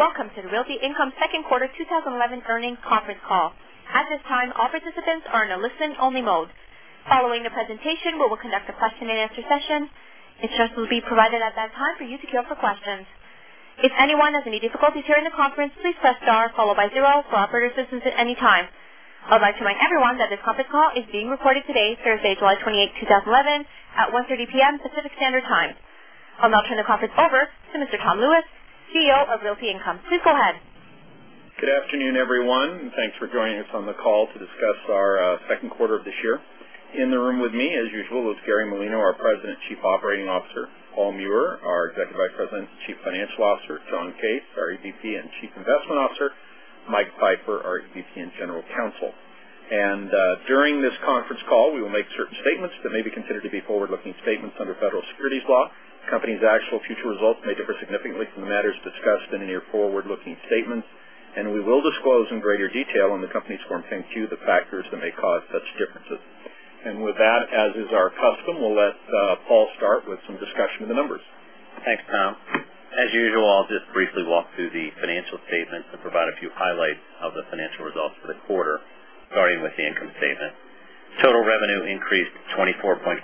Welcome to the Realty Income Second Quarter 2011 Earnings Conference Call. At this time, all participants are in a listen-only mode. Following the presentation, we will conduct a question-and-answer session. A chance will be provided at that time for you to field your questions. If anyone has any difficulties during the conference, please press star followed by zero for operator assistance at any time. I would like to remind everyone that this conference call is being recorded today, Thursday, July 28, 2011, at 1:30 P.M. Pacific Standard Time. I'll now turn the conference over to Mr. Tom Lewis, CEO of Realty Income. Please go ahead. Good afternoon, everyone, and thanks for joining us on the call to discuss our second quarter of this year. In the room with me, as usual, is Gary Molloy, our President, Chief Operating Officer; Paul Meurer, our Executive Vice President, Chief Financial Officer; John Case, our AVP and Chief Investment Officer; and Michael Pfeiffer, our AVP and General Counsel. During this conference call, we will make certain statements that may be considered to be forward-looking statements under Federal Securities Law. The company's actual future results may differ significantly from the matters discussed in any forward-looking statements, and we will disclose in greater detail in the company's Form 10-Q the factors that may cause such differences. With that, as is our custom, we'll let Paul start with some discussion of the numbers. Thanks, Tom. As usual, I'll just briefly walk through the financial statement and provide a few highlights of the financial results for the quarter starting with the income statement. Total revenue increased 24.5%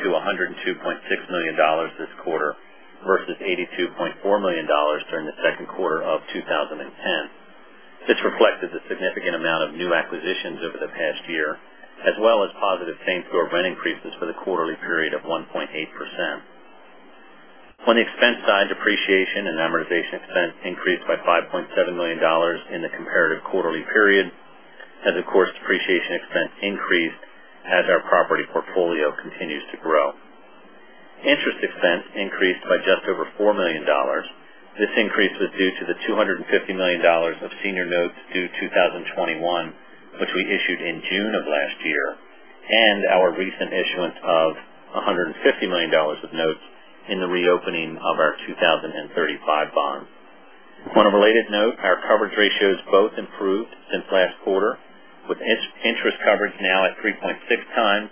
to $102.6 million this quarter versus $82.4 million during the second quarter of 2010. This reflected a significant amount of new acquisitions over the past year, as well as positive same-store rent increases for the quarterly period of 1.8%. On the expense side, depreciation and amortization expense increased by $5.7 million in the comparative quarterly periods, as, of course, depreciation expense increased as our property portfolio continues to grow. Interest expense increased by just over $4 million. This increase was due to the $250 million of senior notes due 2021, which we issued in June of last year, and our recent issuance of $150 million of notes in the reopening of our 2035 bond. On a related note, our coverage ratios both improved since last quarter, with interest coverage now at 3.6 times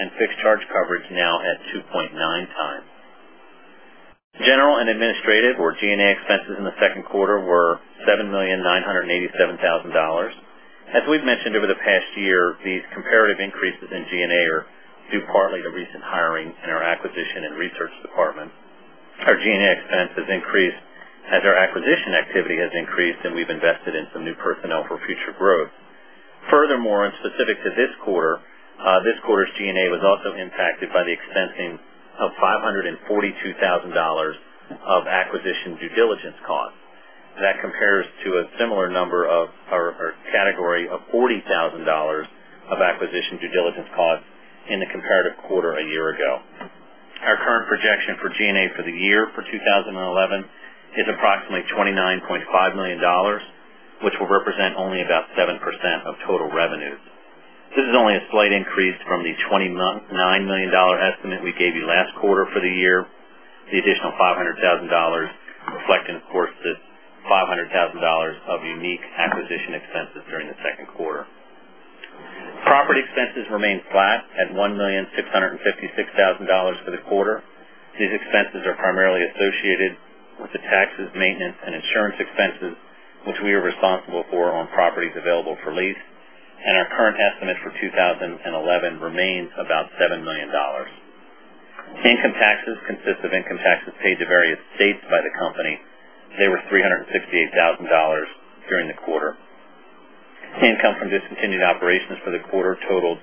and fixed charge coverage now at 2.9 times. General and administrative, or G&A, expenses in the second quarter were $7,987,000. As we've mentioned over the past year, these comparative increases in G&A are due partly to recent hirings in our acquisition and research department. Our G&A expense has increased as our acquisition activity has increased, and we've invested in some new personnel for future growth. Furthermore, and specific to this quarter, this quarter's G&A was also impacted by the expensing of $542,000 of acquisition due diligence costs. That compares to a similar number of our category of $40,000 of acquisition due diligence costs in the comparative quarter a year ago. Our current projection for G&A for the year for 2011 is approximately $29.5 million, which will represent only about 7% of total revenues. This is only a slight increase from the $29 million estimate we gave you last quarter for the year. The additional $500,000 reflect, of course, this $500,000 of unique acquisition expenses during the second quarter. Property expenses remain flat at $1,656,000 for the quarter. These expenses are primarily associated with the taxes, maintenance, and insurance expenses, which we are responsible for on properties available for lease. Our current estimate for 2011 remains about $7 million. Income taxes consist of income taxes paid to various states by the company. They were $368,000 during the quarter. Income from discontinued operations for the quarter totaled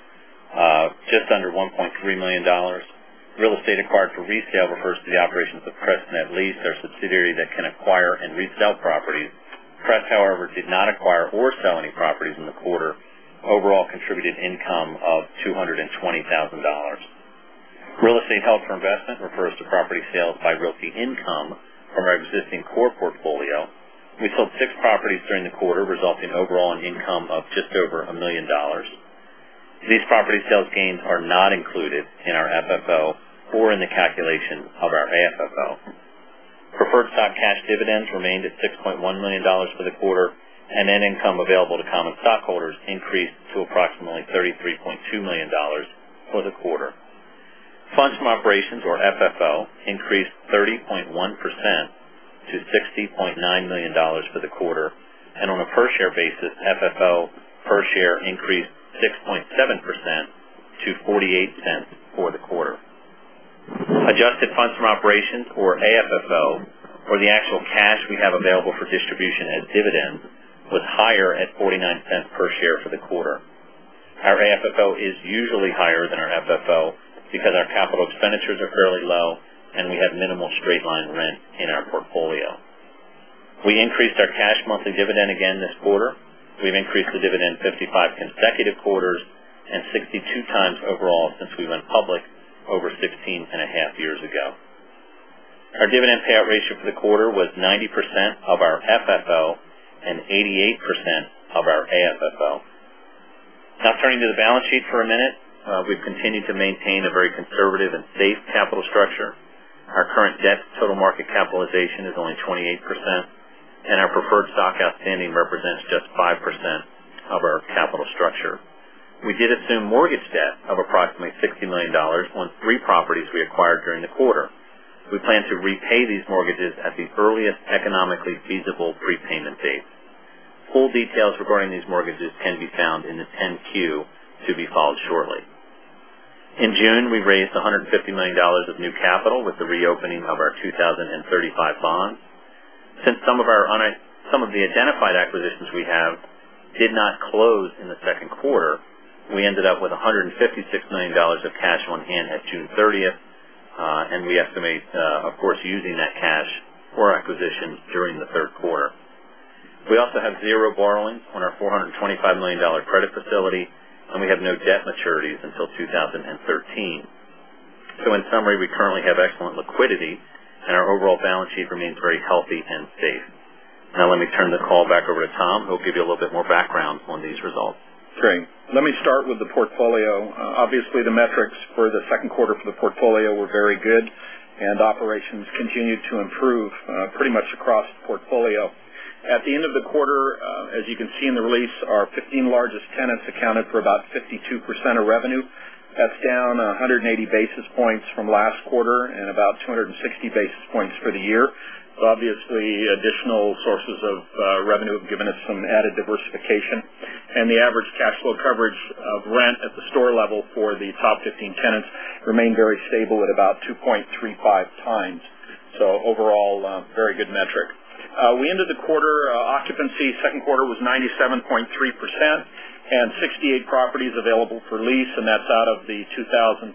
just under $1.3 million. Real estate acquired for resale refers to the operations of Crest Net Lease, our subsidiary that can acquire and resell properties. Crest, however, did not acquire or sell any properties in the quarter. Overall contributed income of $220,000. Real estate held for investment refers to property sales by Realty Income from our existing core portfolio. We sold six properties during the quarter, resulting overall in income of just over $1 million. These property sales gains are not included in our FFO or in the calculation of our AFFO. Preferred stock cash dividends remained at $6.1 million for the quarter, and end income available to common stockholders increased to approximately $33.2 million for the quarter. Funds from operations, or FFO, increased 30.1% to $60.9 million for the quarter, and on a per-share basis, FFO per share increased 6.7% to $0.48 for the quarter. Adjusted funds from operations, or AFFO, or the actual cash we have available for distribution and dividends was higher at $0.49 per share for the quarter. Our AFFO is usually higher than our FFO because our capital expenditures are fairly low, and we have minimal straight-line rent in our portfolio. We increased our cash monthly dividend again this quarter. We've increased the dividend 55 consecutive quarters and 62 times overall since we went public over 16 and a half years ago. Our dividend payout ratio for the quarter was 90% of our FFO and 88% of our AFFO. Now turning to the balance sheet for a minute, we've continued to maintain a very conservative and safe capital structure. Our current debt to total market capitalization is only 28%, and our preferred stock outstanding represents just 5% of our capital structure. We did assume mortgage debt of approximately $60 million on three properties we acquired during the quarter. We plan to repay these mortgages at the earliest economically feasible prepayment date. Full details regarding these mortgages can be found in the Form 10-Q to be filed shortly. In June, we raised $150 million of new capital with the reopening of our 2035 bond. Since some of the identified acquisitions we have did not close in the second quarter, we ended up with $156 million of cash on hand at June 30, and we estimate, of course, using that cash for acquisitions during the third quarter. We also have zero borrowings on our $425 million credit facility, and we have no debt maturities until 2013. In summary, we currently have excellent liquidity, and our overall balance sheet remains very healthy and safe. Now let me turn the call back over to Tom, who will give you a little bit more background on these results. Sure. Let me start with the portfolio. Obviously, the metrics for the second quarter for the portfolio were very good, and operations continued to improve pretty much across the portfolio. At the end of the quarter, as you can see in the release, our 15 largest tenants accounted for about 52% of revenue. That's down 180 basis points from last quarter and about 260 basis points for the year. Additional sources of revenue have given us some added diversification, and the average cash flow coverage of rent at the store level for the top 15 tenants remained very stable at about 2.35 times. Overall, a very good metric. We ended the quarter occupancy, the second quarter was 97.3% and 68 properties available for lease, and that's out of the 2,523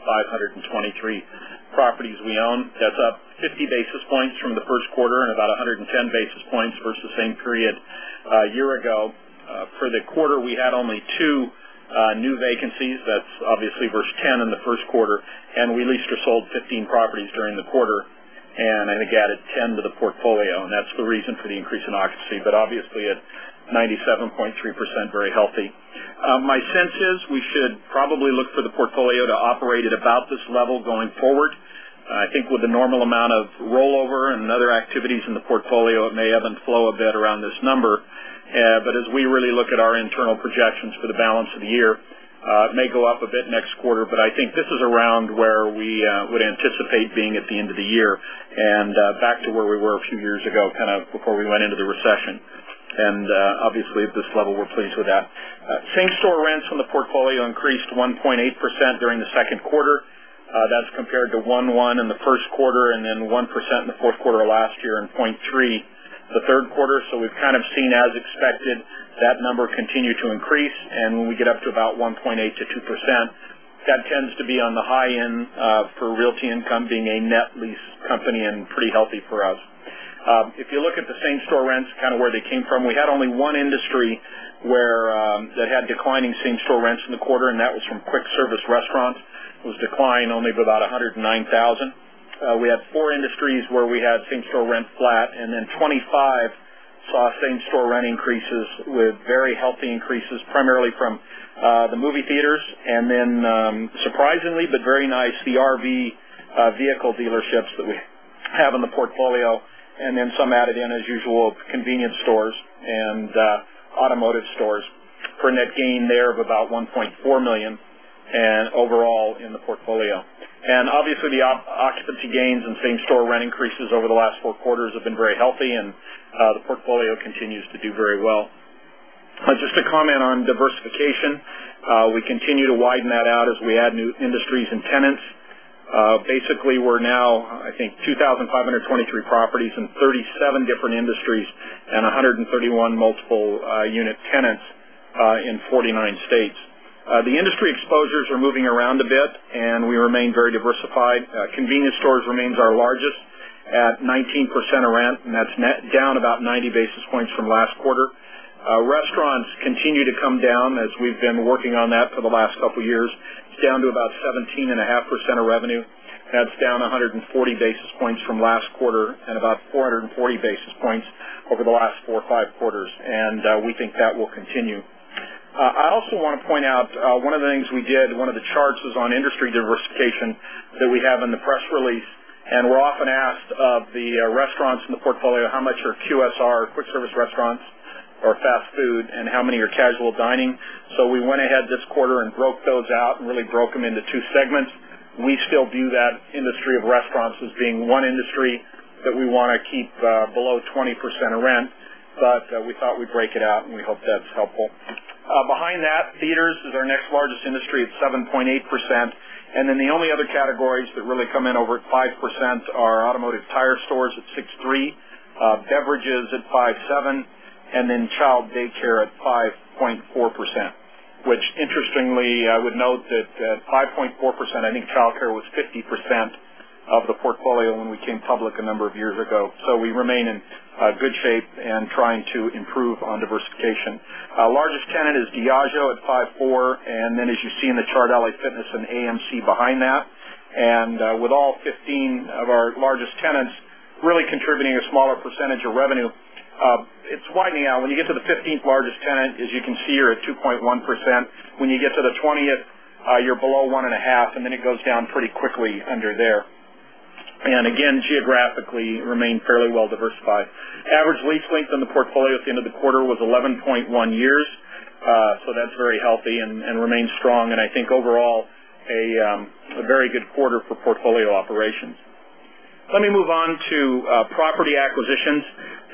properties we own. That's up 50 basis points from the first quarter and about 110 basis points versus the same period a year ago. For the quarter, we had only two new vacancies. That's versus 10 in the first quarter, and we leased or sold 15 properties during the quarter, and I think added 10 to the portfolio, and that's the reason for the increase in occupancy, but at 97.3%, very healthy. My sense is we should probably look for the portfolio to operate at about this level going forward. I think with the normal amount of rollover and other activities in the portfolio, it may ebb and flow a bit around this number. As we really look at our internal projections for the balance of the year, it may go up a bit next quarter, but I think this is around where we would anticipate being at the end of the year and back to where we were a few years ago, kind of before we went into the recession. At this level, we're pleased with that. Same-store rents from the portfolio increased 1.8% during the second quarter. That's compared to 1.1% in the first quarter and then 1% in the fourth quarter of last year and 0.3% the third quarter. We've kind of seen, as expected, that number continue to increase, and when we get up to about 1.8% to 2%, that tends to be on the high end for Realty Income being a net lease company and pretty healthy for us. If you look at the same-store rents, kind of where they came from, we had only one industry that had declining same-store rents in the quarter, and that was from quick service restaurants. It was declined only to about $109,000. We had four industries where we had same-store rents flat, and then 25 saw same-store rent increases with very healthy increases, primarily from the movie theaters and then, surprisingly but very nice, the RV vehicle dealerships that we have in the portfolio, and then some added in, as usual, convenience stores and automotive stores for a net gain there of about $1.4 million and overall in the portfolio. Obviously, the occupancy gains and same-store rent increases over the last four quarters have been very healthy, and the portfolio continues to do very well. Just to comment on diversification, we continue to widen that out as we add new industries and tenants. Basically, we're now, I think, 2,523 properties in 37 different industries and 131 multiple-unit tenants in 49 states. The industry exposures are moving around a bit, and we remain very diversified. Convenience stores remain our largest at 19% of rent, and that's down about 90 basis points from last quarter. Restaurants continue to come down, as we've been working on that for the last couple of years. It's down to about 17.5% of revenue. That's down 140 basis points from last quarter and about 440 basis points over the last four or five quarters, and we think that will continue. I also want to point out one of the things we did, one of the charts was on industry diversification that we have in the press release, and we're often asked of the restaurants in the portfolio, "How much are QSR, quick service restaurants, or fast food, and how many are casual dining?" We went ahead this quarter and broke those out and really broke them into two segments. We still view that industry of restaurants as being one industry that we want to keep below 20% of rent, but we thought we'd break it out, and we hope that's helpful. Behind that, theaters is our next largest industry at 7.8%, and then the only other categories that really come in over at 5% are automotive tire stores at 6.3%, beverages at 5.7%, and then child daycare at 5.4%, which interestingly, I would note that at 5.4%, I think childcare was 50% of the portfolio when we came public a number of years ago. We remain in good shape and trying to improve on diversification. Our largest tenant is Diageo at 5.4%, and then, as you see in the chart, LA Fitness and AMC behind that. With all 15 of our largest tenants really contributing a smaller percentage of revenue, it's widening out. When you get to the 15th largest tenant, as you can see, you're at 2.1%. When you get to the 20th, you're below 1.5%, and it goes down pretty quickly under there. Geographically, we remain fairly well diversified. Average lease length in the portfolio at the end of the quarter was 11.1 years, so that's very healthy and remains strong, and I think overall a very good quarter for portfolio operations. Let me move on to property acquisitions.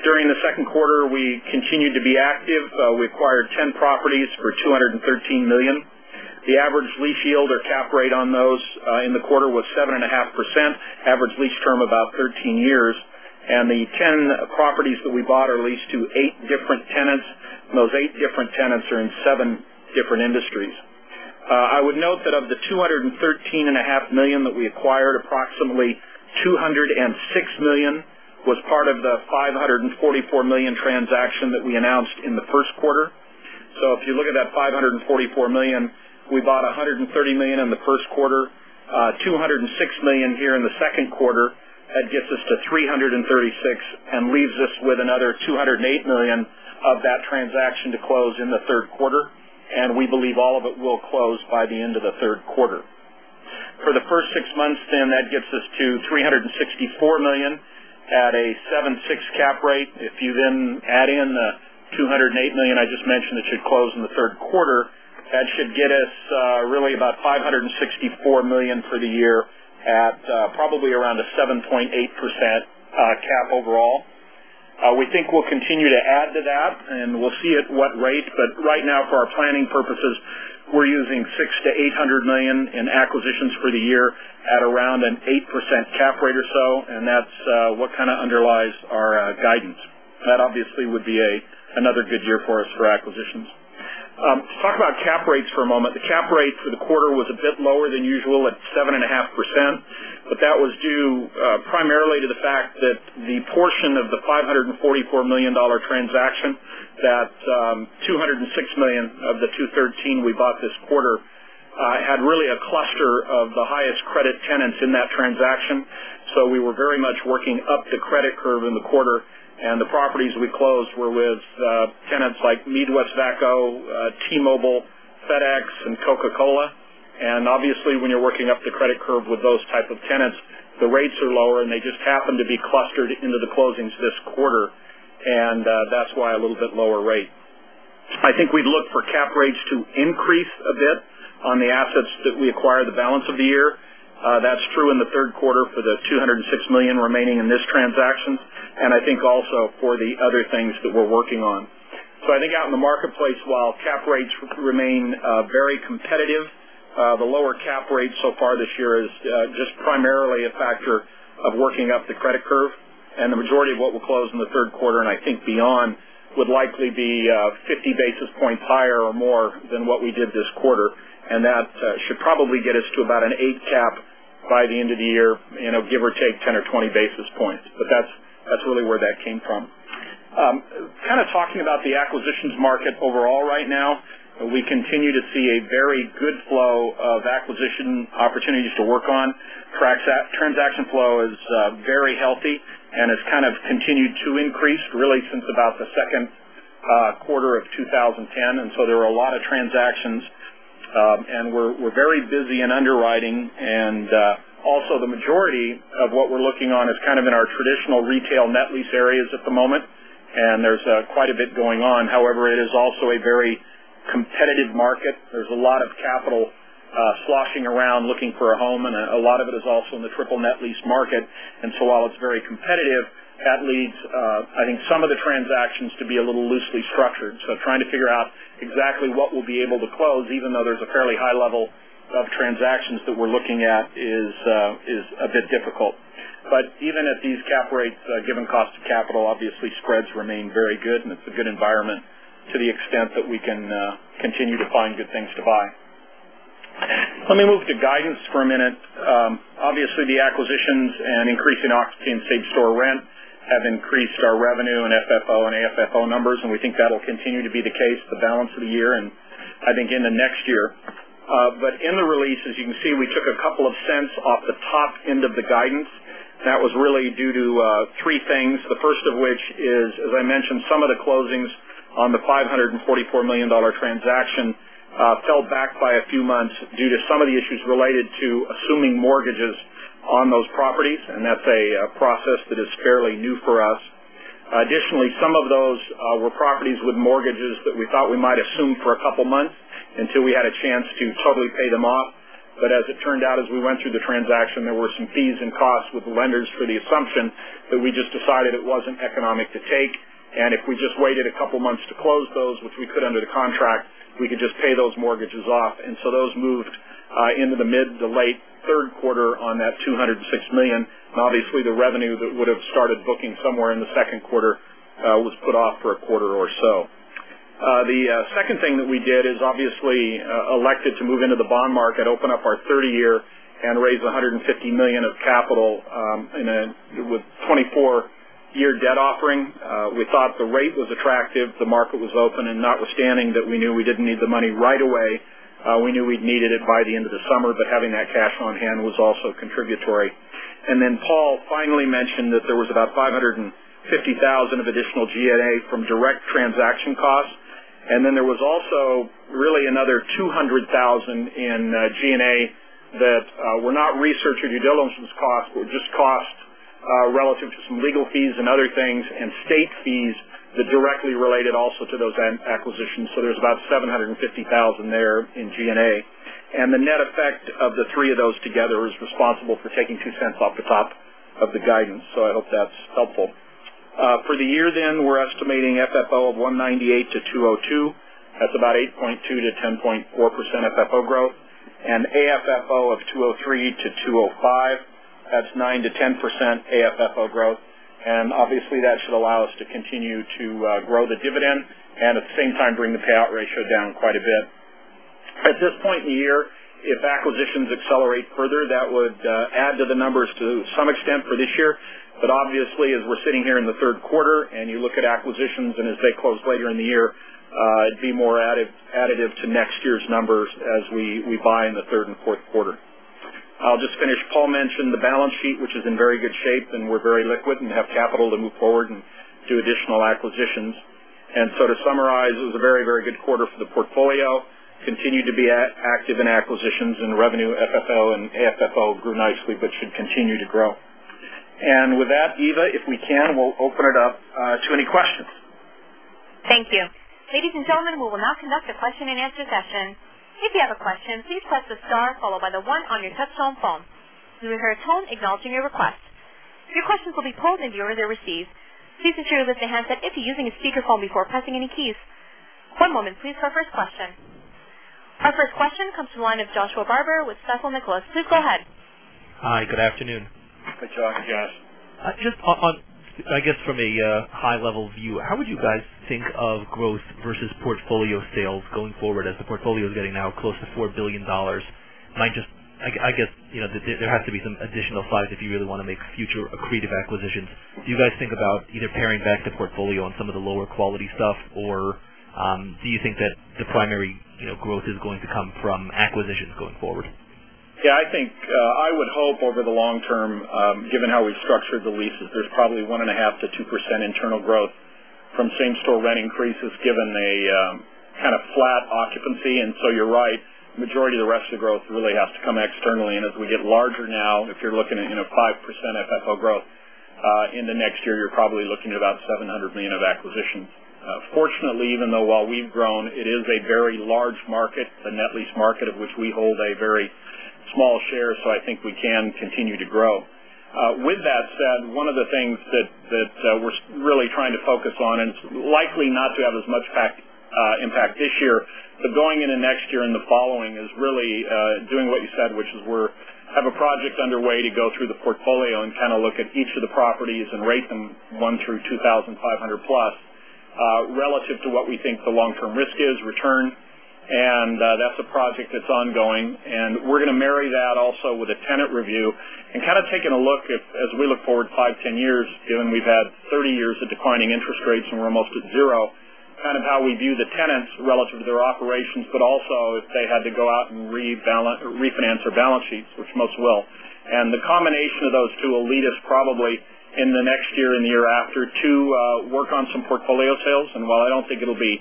During the second quarter, we continued to be active. We acquired 10 properties for $213 million. The average lease yield or cap rate on those in the quarter was 7.5%, average lease term about 13 years, and the 10 properties that we bought are leased to eight different tenants, and those eight different tenants are in seven different industries. I would note that of the $213.5 million that we acquired, approximately $206 million was part of the $544 million transaction that we announced in the first quarter. If you look at that $544 million, we bought $130 million in the first quarter, $206 million here in the second quarter. That gets us to $336 million and leaves us with another $208 million of that transaction to close in the third quarter, and we believe all of it will close by the end of the third quarter. For the first six months, then, that gets us to $364 million at a 7.6% cap rate. If you then add in the $208 million I just mentioned that should close in the third quarter, that should get us really about $564 million for the year at probably around a 7.8% cap overall. We think we'll continue to add to that, and we'll see at what rate, but right now, for our planning purposes, we're using $600 million to $800 million in acquisitions for the year at around an 8% cap rate or so, and that's what kind of underlies our guidance. That obviously would be another good year for us for acquisitions. Let's talk about cap rates for a moment. The cap rate for the quarter was a bit lower than usual at 7.5%, but that was due primarily to the fact that the portion of the $544 million transaction, that's $206 million of the $213 million we bought this quarter, had really a cluster of the highest credit tenants in that transaction. We were very much working up the credit curve in the quarter, and the properties we closed were with tenants like MeadWestvaco, T-Mobile, FedEx, and Coca-Cola. Obviously, when you're working up the credit curve with those types of tenants, the rates are lower, and they just happen to be clustered into the closings this quarter, and that's why a little bit lower rate. I think we'd look for cap rates to increase a bit on the assets that we acquire the balance of the year. That's true in the third quarter for the $206 million remaining in this transaction, and I think also for the other things that we're working on. I think out in the marketplace, while cap rates remain very competitive, the lower cap rate so far this year is just primarily a factor of working up the credit curve. The majority of what we'll close in the third quarter, and I think beyond, would likely be 50 basis points higher or more than what we did this quarter, and that should probably get us to about an 8% cap by the end of the year, give or take 10 or 20 basis points. That's really where that came from. Kind of talking about the acquisitions market overall right now, we continue to see a very good flow of acquisition opportunities to work on. The transaction flow is very healthy, and it's kind of continued to increase really since about the second quarter of 2010. There were a lot of transactions, and we're very busy in underwriting. Also, the majority of what we're looking on is kind of in our traditional retail net lease areas at the moment, and there's quite a bit going on. However, it is also a very competitive market. There's a lot of capital sloshing around looking for a home, and a lot of it is also in the triple-net lease market. While it's very competitive, that leads, I think, some of the transactions to be a little loosely structured. Trying to figure out exactly what we'll be able to close, even though there's a fairly high level of transactions that we're looking at, is a bit difficult. Even at these cap rates, given cost of capital, obviously, spreads remain very good, and it's a good environment to the extent that we can continue to find good things to buy. Let me move to guidance for a minute. Obviously, the acquisitions and increasing occupancy and same-store rent have increased our revenue and FFO and AFFO numbers, and we think that'll continue to be the case the balance of the year and, I think, in the next year. In the release, as you can see, we took a couple of cents off the top end of the guidance. That was really due to three things, the first of which is, as I mentioned, some of the closings on the $544 million transaction fell back by a few months due to some of the issues related to assuming mortgages on those properties, and that's a process that is fairly new for us. Additionally, some of those were properties with mortgages that we thought we might assume for a couple of months until we had a chance to totally pay them off. As it turned out, as we went through the transaction, there were some fees and costs with the lenders for the assumption that we just decided it wasn't economic to take. If we just waited a couple of months to close those, which we put under the contract, we could just pay those mortgages off. Those moved into the mid to late third quarter on that $206 million. Obviously, the revenue that would have started booking somewhere in the second quarter was put off for a quarter or so. The second thing that we did is elected to move into the bond market, open up our 30-year, and raise $150 million of capital with a 24-year debt offering. We thought the rate was attractive, the market was open, and notwithstanding that we knew we didn't need the money right away. We knew we needed it by the end of the summer, but having that cash on hand was also contributory. Paul finally mentioned that there was about $550,000 of additional G&A from direct transaction costs, and there was also really another $200,000 in G&A that were not research or due diligence costs, but were just costs relative to some legal fees and other things and state fees that directly related also to those acquisitions. So there's about $750,000 there in G&A. The net effect of the three of those together is responsible for taking $0.02 off the top of the guidance. I hope that's helpful. For the year, then, we're estimating FFO of $1.98-$2.02. That's about 8.2% to 10.4% FFO growth. AFFO of $2.03-$2.05. That's 9%-10% AFFO growth. Obviously, that should allow us to continue to grow the dividend and, at the same time, bring the payout ratio down quite a bit. At this point in the year, if acquisitions accelerate further, that would add to the numbers to some extent for this year. Obviously, as we're sitting here in the third quarter and you look at acquisitions and as they close later in the year, it'd be more additive to next year's numbers as we buy in the third and fourth quarter. I'll just finish. Paul mentioned the balance sheet, which is in very good shape, and we're very liquid and have capital to move forward and do additional acquisitions. To summarize, it was a very, very good quarter for the portfolio. Continue to be active in acquisitions and revenue. FFO and AFFO grew nicely, should continue to grow. With that, Eva, if we can, we'll open it up to any questions. Thank you. Ladies and gentlemen, we will now conduct the question-and-answer session. If you have a question, please press the star followed by the one on your touch-tone phone. You will hear a tone acknowledging your request. Your questions will be pulled to your earlier receipt. Please ensure you lift your hands up if you're using a speakerphone before pressing any keys. One moment, please, for our first question. Our first question comes from the line of Joshua Barber with Stifel Nicolaus. Please go ahead. Hi. Good afternoon. Good job, Josh. Just on, I guess, from a high-level view, how would you guys think of growth versus portfolio sales going forward as the portfolio is getting now close to $4 billion? Might just, I guess, you know there has to be some additional size if you really want to make future breed of acquisitions. Do you guys think about either paring back the portfolio on some of the lower-quality stuff, or do you think that the primary growth is going to come from acquisitions going forward? Yeah. I think I would hope over the long term, given how we structured the leases, there's probably 1.5%-2% internal growth from same-store rent increases given the kind of flat occupancy. You're right, the majority of the rest of the growth really has to come externally. As we get larger now, if you're looking at 5% FFO growth in the next year, you're probably looking at about $700 million of acquisitions. Fortunately, even though we've grown, it is a very large market, the net lease market of which we hold a very small share, so I think we can continue to grow. With that said, one of the things that we're really trying to focus on, and it's likely not to have as much impact this year, but going into next year and the following is really doing what you said, which is we have a project underway to go through the portfolio and kind of look at each of the properties and rate them 1 through 2,500+ relative to what we think the long-term risk is, return. That's a project that's ongoing. We're going to marry that also with a tenant review and kind of take a look at, as we look forward 5, 10 years, given we've had 30 years of declining interest rates and we're almost at 0%, kind of how we view the tenants relative to their operations, but also if they had to go out and refinance their balance sheets, which most will. The combination of those two will lead us probably in the next year and the year after to work on some portfolio sales. While I don't think it'll be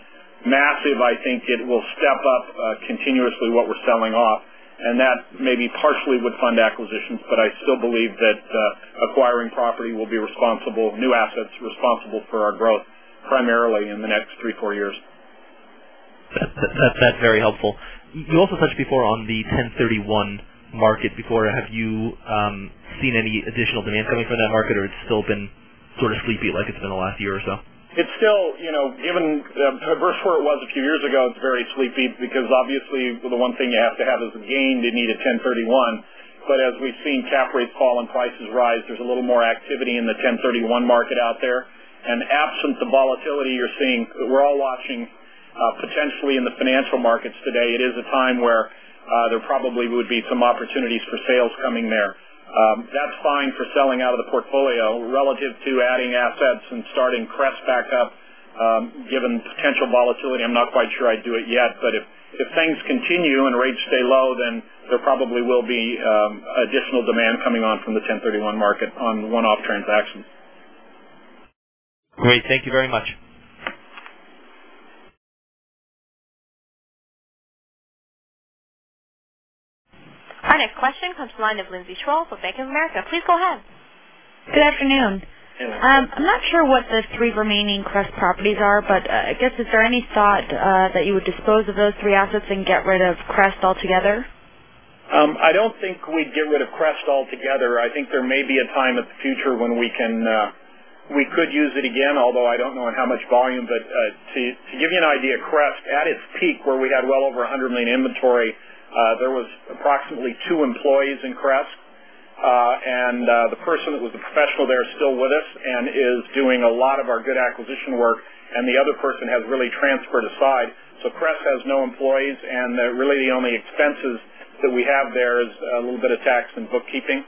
massive, I think it will step up continuously what we're selling off. That may be partially with fund acquisitions, but I still believe that acquiring property will be responsible, new assets responsible for our growth primarily in the next three, four years. That's very helpful. You also touched before on the 1031 market. Have you seen any additional demand coming from that market, or it's still been sort of sleepy like it's been the last year or so? It's still, you know, even versus where it was a few years ago, it's very sleepy because obviously the one thing you have to have is the gain to need a 1031. As we've seen cap rates fall and prices rise, there's a little more activity in the 1031 market out there. Absent the volatility you're seeing, we're all watching potentially in the financial markets today. It is a time where there probably would be some opportunities for sales coming there. That's fine for selling out of the portfolio relative to adding assets and starting Crest back up. Given potential volatility, I'm not quite sure I'd do it yet. If things continue and rates stay low, then there probably will be additional demand coming on from the 1031 market on one-off transactions. Great, thank you very much. Our next question comes from the line of Lindsay Schroll from Bank of America. Please go ahead. Good afternoon. I'm not sure what the three remaining Crest properties are, but I guess, is there any thought that you would dispose of those three assets and get rid of Crest altogether? I don't think we'd get rid of Crest altogether. I think there may be a time in the future when we could use it again, although I don't know in how much volume. To give you an idea, Crest at its peak, where we had well over $100 million inventory, there were approximately two employees in Crest. The person that was a professional there is still with us and is doing a lot of our good acquisition work, and the other person has really transferred aside. Crest has no employees, and really the only expenses that we have there are a little bit of tax and bookkeeping.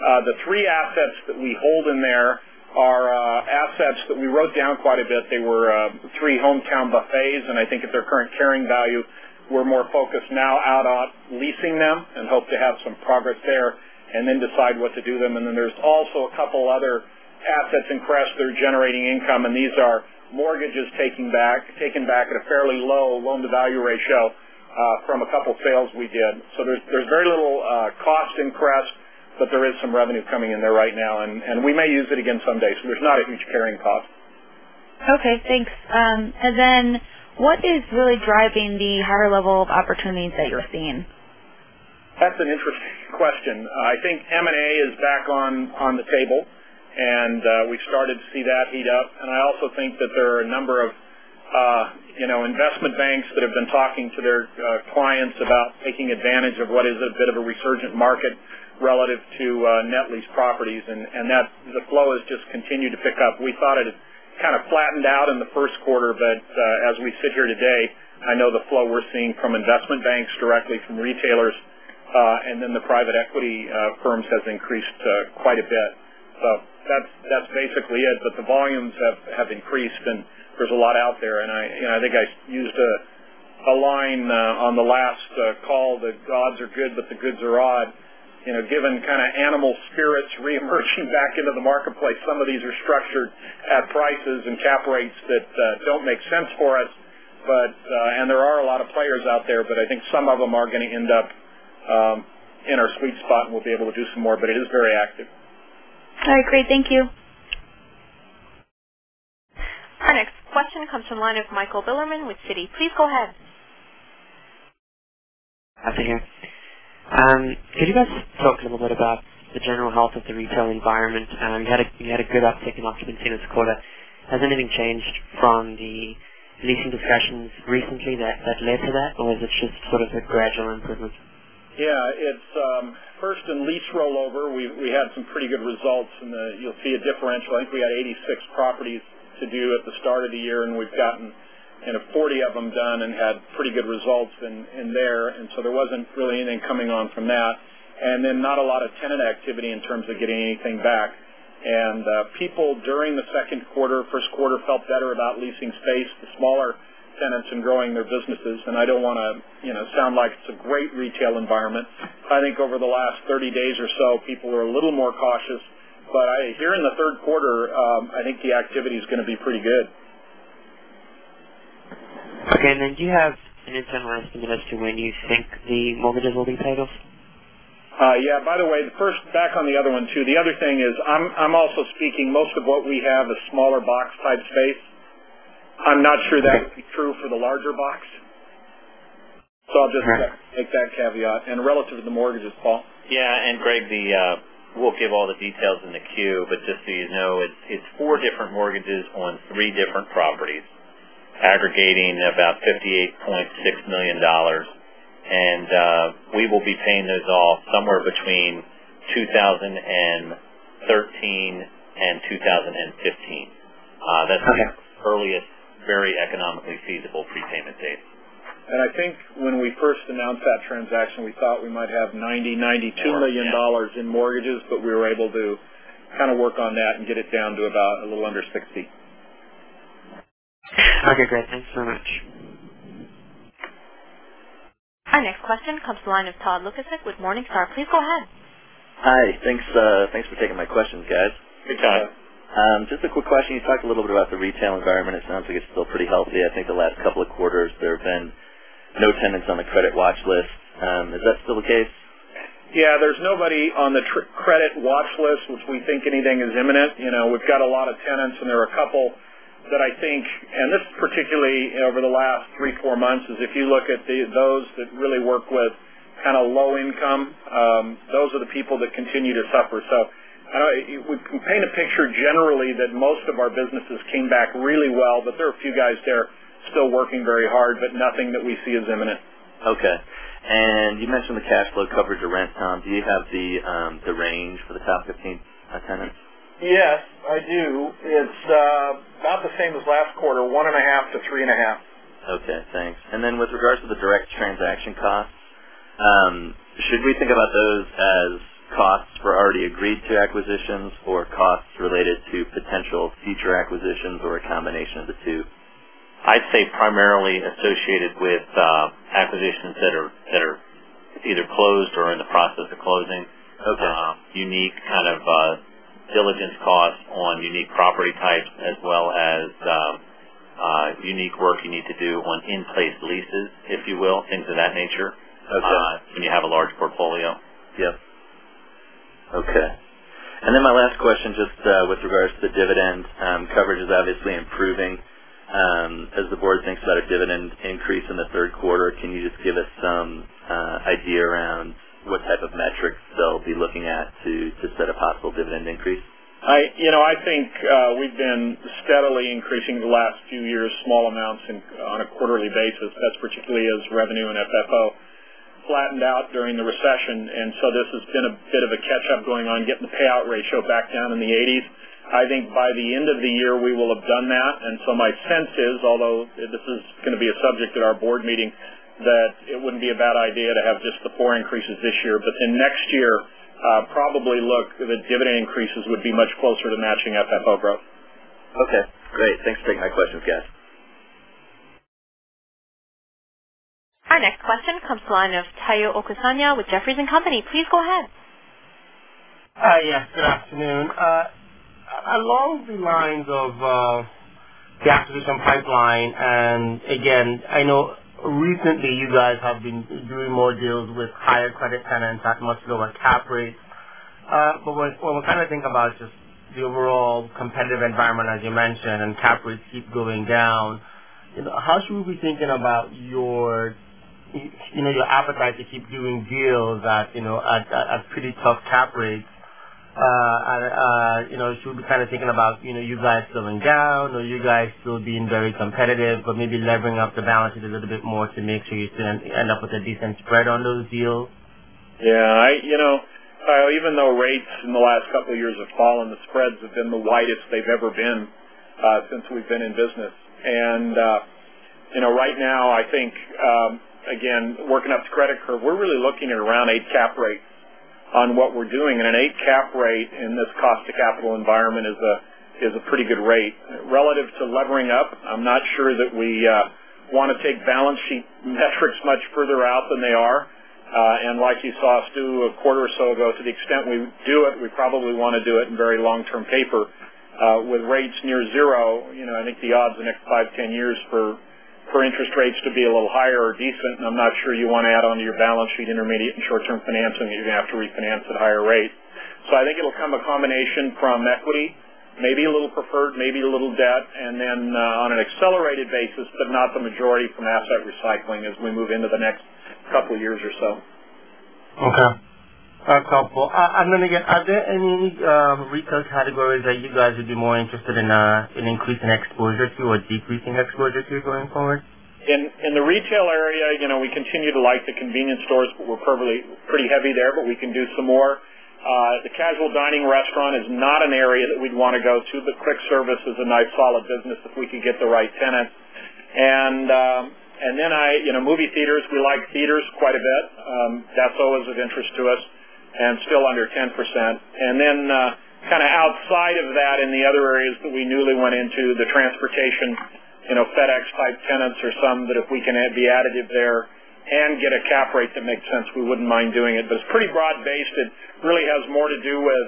The three assets that we hold in there are assets that we wrote down quite a bit. They were three Hometown Buffets, and I think at their current carrying value, we're more focused now on leasing them and hope to have some progress there and then decide what to do with them. There are also a couple of other assets in Crest that are generating income, and these are mortgages taken back at a fairly low loan-to-value ratio from a couple of sales we did. There is very little cost in Crest, but there is some revenue coming in there right now, and we may use it again some days. There's not a huge carrying cost. Okay. Thanks. What is really driving the higher level of opportunities that you're seeing? That's an interesting question. I think M&A is back on the table, and we've started to see that heat up. I also think that there are a number of, you know, investment banks that have been talking to their clients about taking advantage of what is a bit of a resurgent market relative to net lease properties, and that the flow has just continued to pick up. We thought it had kind of flattened out in the first quarter, but as we sit here today, I know the flow we're seeing from investment banks directly, from retailers, and then the private equity firms has increased quite a bit. That's basically it. The volumes have increased, and there's a lot out there. I think I used a line on the last call that gods are good, but the goods are odd. You know, given kind of animal spirits re-emerging back into the marketplace, some of these are structured at prices and cap rates that don't make sense for us. There are a lot of players out there, and I think some of them are going to end up in our sweet spot, and we'll be able to do some more. It is very active. I agree. Thank you. Our next question comes from the line of Michael Bilerman with Citi. Go ahead. Happy here. You guys spoke a little bit about the general health of the retail environment. You had a good uptake in lots of incentive quota. Has anything changed from the leasing discussions recently that led to that, or is this just sort of a gradual improvement? Yeah. It's first in lease rollover. We had some pretty good results, and you'll see a differential. I think we had 86 properties to do at the start of the year, and we've gotten 40 of them done and had pretty good results in there. There wasn't really anything coming on from that. Not a lot of tenant activity in terms of getting anything back. People during the second quarter, first quarter felt better about leasing space to smaller tenants and growing their businesses. I don't want to sound like it's a great retail environment. I think over the last 30 days or so, people were a little more cautious. Here in the third quarter, I think the activity is going to be pretty good. Okay. Do you have any time around speaking as to when you think the mortgages will be tightened? By the way, the first back on the other one too. The other thing is I'm also speaking most of what we have is smaller box-type space. I'm not sure that would be true for the larger box. I just make that caveat. Relative to the mortgages, Paul? We'll give all the details in the queue, but just so you know, it's four different mortgages on three different properties, aggregating about $58.6 million. We will be paying those off somewhere between 2013 and 2015. That's the earliest very economically feasible prepayment date. When we first announced that transaction, we thought we might have $90 million-$92 million in mortgages, but we were able to work on that and get it down to about a little under $60 million. Okay, Great. Thanks so much. Our next question comes from the line of Todd Lukasik with Morningstar. Please go ahead. Hi, thanks for taking my questions, guys. Hey, Todd. Just a quick question. You talked a little bit about the retail environment. It sounds like it's still pretty healthy. I think the last couple of quarters, there have been no tenants on the credit watchlist. Is that still the case? Yeah. There's nobody on the credit watchlist, which we think anything is imminent. We've got a lot of tenants, and there are a couple that I think, and this particularly over the last three, four months, is if you look at those that really work with kind of low income, those are the people that continue to suffer. I don't think we paint a picture generally that most of our businesses came back really well, but there are a few guys there still working very hard, but nothing that we see as imminent. Okay. You mentioned the cash flow coverage or rent, Tom. Do you have the range for the top 15 tenants? Yes, I do. It's about the same as last quarter, 1.5%-3.5%. Okay. Thanks. With regards to the direct transaction costs, should we think about those as costs for already agreed-to acquisitions, costs related to potential future acquisitions, or a combination of the two? I'd say primarily associated with acquisitions that are either closed or in the process of closing. Unique kind of diligence costs on unique property types, as well as the unique work you need to do on in-place leases, if you will, things of that nature. Can you have a large portfolio? Yes. Okay. My last question, just with regards to dividend coverage, is obviously improving. As the board thinks about a dividend increase in the third quarter, can you just give us some idea around what type of metrics they'll be looking at to set a possible dividend increase? I think we've been steadily increasing the last few years, small amounts on a quarterly basis. That's particularly as revenue and FFO flattened out during the recession. This has been a bit of a catch-up going on, getting the payout ratio back down in the 80%. I think by the end of the year, we will have done that. My sense is, although this is going to be a subject at our board meeting, that it wouldn't be a bad idea to have just the core increases this year. Next year, probably look at the dividend increases would be much closer to matching FFO growth. Okay. Great. Thanks for taking my questions, guys. Our next question comes from the line of Tayo Okusanya with Jefferies & Company. Please go ahead. Hi. Yes. Good afternoon. I love the lines of the applicant pipeline. I know recently you guys have been doing more deals with higher credit tenants at much lower cap rates. When we kind of think about just the overall competitive environment, as you mentioned, and cap rates keep going down, how should we be thinking about your appetite to keep doing deals at pretty tough cap rates? Should we be kind of thinking about you guys slowing down or you guys still being very competitive, but maybe levering up the balance a little bit more to make sure you can end up with a decent spread on those deals? Yeah. Even though rates in the last couple of years have fallen, the spreads have been the widest they've ever been since we've been in business. Right now, I think, again, working up the credit curve, we're really looking at around 8% cap rates on what we're doing. An 8% cap rate in this cost-to-capital environment is a pretty good rate. Relative to levering up, I'm not sure that we want to take balance sheet metrics much further out than they are. Like you saw us do a quarter or so ago, to the extent we do it, we probably want to do it in very long-term paper. With rates near 0%, I think the odds in the next 5, 10 years for interest rates to be a little higher are decent. I'm not sure you want to add onto your balance sheet intermediate and short-term financing. You're going to have to refinance at a higher rate. I think it'll come a combination from equity, maybe a little preferred, maybe a little debt, and then on an accelerated basis, but not the majority from asset recycling as we move into the next couple of years or so. Okay. That's helpful. Are there any retail categories that you guys would be more interested in increasing exposure to or decreasing exposure to going forward? In the retail area, you know, we continue to like the convenience stores, but we're pretty heavy there, but we can do some more. The casual dining restaurant is not an area that we'd want to go to, but quick service is a nice solid business if we could get the right tenant. I, you know, movie theaters, we like theaters quite a bit. That's always of interest to us and still under 10%. Outside of that, in the other areas that we newly went into, the transportation, you know, FedEx-type tenants are some that if we can be additive there and get a cap rate that makes sense, we wouldn't mind doing it. It's pretty broad-based. It really has more to do with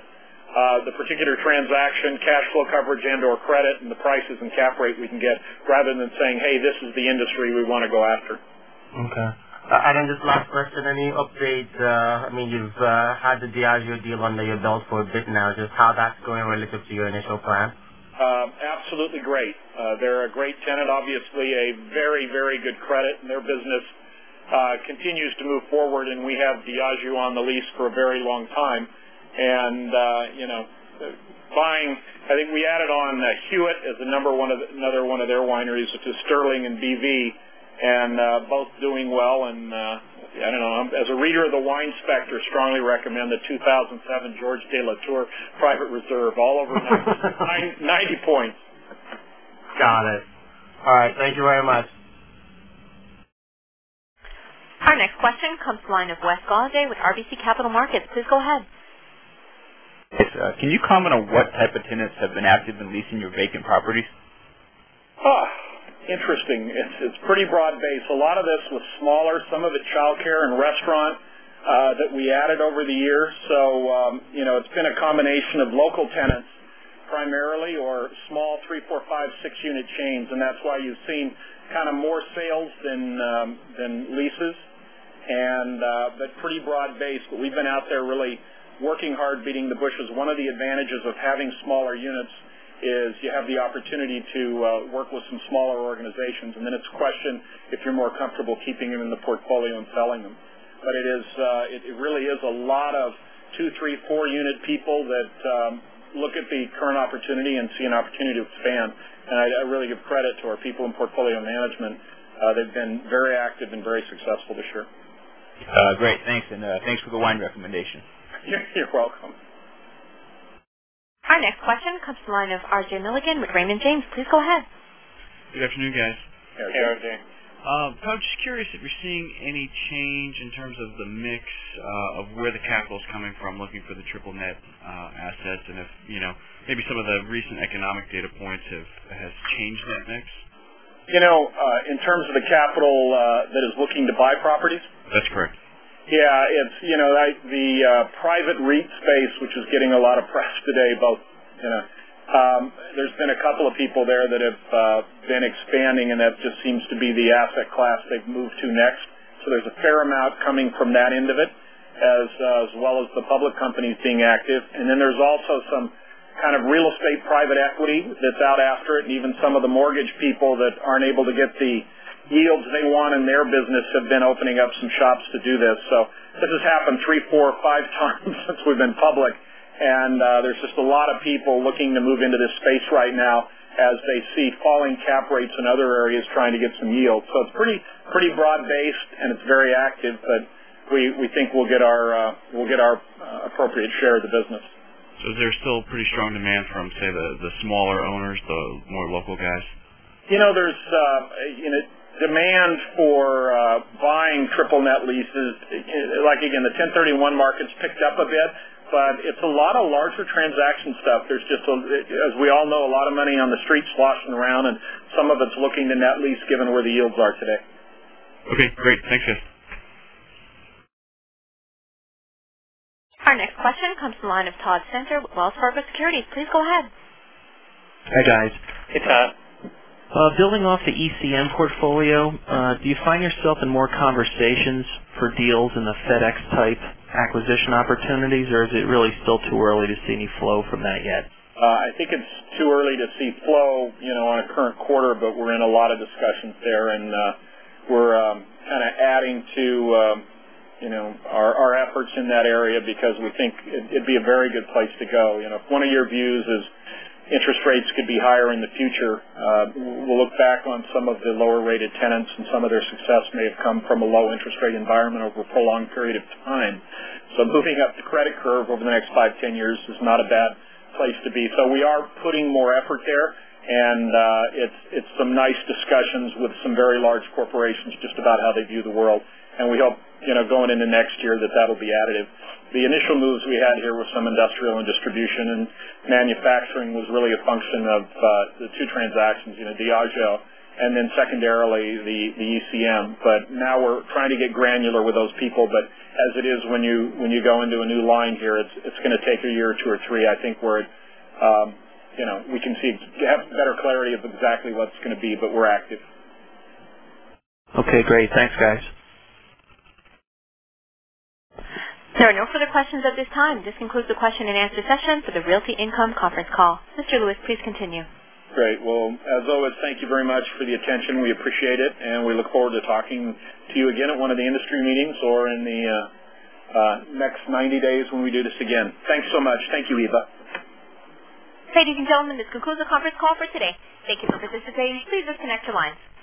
the particular transaction, cash flow coverage, and/or credit, and the prices and cap rate we can get rather than saying, "Hey, this is the industry we want to go after. Okay. Just last question, any updates? I mean, you've had the Diageo deal under your belt for a bit now. Just how that's going relative to your initial plan? Absolutely great. They're a great tenant, obviously a very, very good credit in their business. It continues to move forward. We have Diageo on the lease for a very long time. You know, buying, I think we added on Hewitt as another one of their wineries. It's Sterling and BV, and both doing well. I don't know, as a reader of the Wine Spectrum, strongly recommend the 2007 George Taylor Touriga Private Reserve, all over me. 90 points. Got it. All right. Thank you very much. Our next question comes from the line of Wes Golladay with RBC Capital Markets. Please go ahead. Can you comment on what type of tenants have been actively leasing your vacant properties? Oh, interesting. It's pretty broad-based. A lot of this was smaller. Some of it's childcare and restaurant that we added over the years. It's been a combination of local tenants primarily or small three, four, five, six-unit chains. That's why you've seen kind of more sales than leases, but pretty broad-based. We've been out there really working hard, beating the bushes. One of the advantages of having smaller units is you have the opportunity to work with some smaller organizations, and then it's a question if you're more comfortable keeping them in the portfolio and selling them. It really is a lot of two, three, four-unit people that look at the current opportunity and see an opportunity to expand. I really give credit to our people in portfolio management. They've been very active and very successful this year. Great, thanks. Thanks for the wine recommendation. You're welcome. Our next question comes from the line of RJ Milligan with Raymond James. Please go ahead. Good afternoon, guys. Hey, RJ. I was just curious if you're seeing any change in terms of the mix of where the capital is coming from looking for the triple-net assets, and if, you know, maybe some of the recent economic data points have changed in the mix. In terms of the capital that is looking to buy properties? That's correct. Yeah. The private REIT space, which is getting a lot of press today, both in a, there's been a couple of people there that have been expanding, and that just seems to be the asset class they've moved to next. There's a fair amount coming from that end of it, as well as the public companies being active. There's also some kind of real estate private equity that's out after it. Even some of the mortgage people that aren't able to get the yields they want in their business have been opening up some shops to do this. This has happened three, four, five times since we've been public. There's just a lot of people looking to move into this space right now as they see falling cap rates in other areas trying to get some yield. Pretty broad-based, and it's very active, but we think we'll get our appropriate share of the business. There's still pretty strong demand from, say, the smaller owners, the more local guys? There's demand for buying triple-net leases. The 1031 market's picked up a bit, but it's a lot of larger transaction stuff. There's just, as we all know, a lot of money on the streets walking around, and some of it's looking to net lease given where the yields are today. Okay, great. Thanks, guys. Our next question comes from the line of Todd Stender with Wells Fargo Securities. Please go ahead. Hi, guys. Hey, Todd. Building off the ECM portfolio, do you find yourself in more conversations for deals in the FedEx-type acquisition opportunities, or is it really still too early to see any flow from that yet? I think it's too early to see flow on a current quarter, but we're in a lot of discussions there. We're kind of adding to our efforts in that area because we think it'd be a very good place to go. If one of your views is interest rates could be higher in the future, we'll look back on some of the lower-rated tenants, and some of their success may have come from a low-interest rate environment over a full long period of time. Moving up the credit curve over the next 5, 10 years is not a bad place to be. We are putting more effort there, and it's some nice discussions with some very large corporations just about how they view the world. We hope, going into next year, that that'll be additive. The initial moves we had here were some industrial and distribution, and manufacturing was really a function of the two transactions, Diageo, and then secondarily the ECM. Now we're trying to get granular with those people. As it is when you go into a new line here, it's going to take a year or two or three. I think we can see to have better clarity of exactly what it's going to be, but we're active. Okay, great. Thanks, guys. There are no further questions at this time. This concludes the question-and-answer session for the Realty Income Conference Call. Mr. Lewis, please continue. Great. As always, thank you very much for the attention. We appreciate it, and we look forward to talking to you again at one of the industry meetings or in the next 90 days when we do this again. Thanks so much. Thank you, Eva. Ladies and gentlemen, this concludes the conference call for today. Thank you, Mr. Lewis. Please listen next to the lines.